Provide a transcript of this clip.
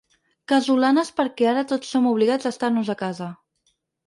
Casolanes perquè ara tots som obligats a estar-nos a casa.